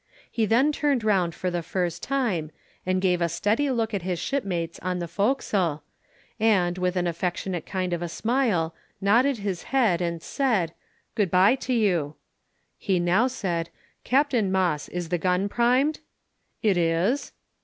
He then turned round for the first time, and gave a steady look at his shipmates on the forecastle, and, with an affectionate kind of a smile, nodded his head, and said, "Good bye to you!" He now said, "Captain Moss, is the gun primed?" "It is."